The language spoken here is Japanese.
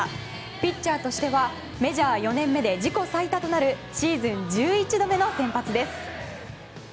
ピッチャーとしてはメジャー４年目で自己最多となるシーズン１１度目の先発です。